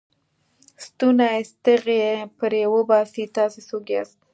ستونی ستغ یې پرې وباسئ، تاسې څوک یاست؟